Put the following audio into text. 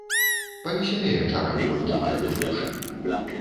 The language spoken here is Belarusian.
Павесялее, чарак колькі перакуліўшы.